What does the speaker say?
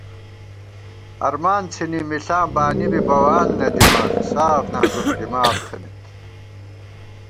ہرمان څھِنی مِݪاں بانی بی بَوان نہ دِمان ساف نازُک دِماغ تھنَئیت